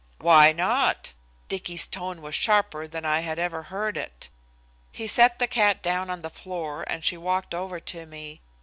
"Why not?" Dicky's tone was sharper than I had ever heard it. He set the cat down on the floor and she walked over to me.